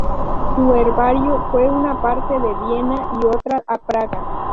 Su herbario, fue una parte a Viena y otra a Praga.